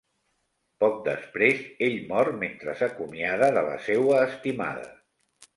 Poc després, ell mor mentre s'acomiada de la seua estimada.